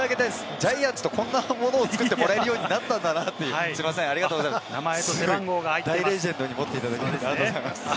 ジャイアンツと、こんなものを作ってもらえるようになったんだなって、大レジェンドに持っていただいて、ありがとうございます。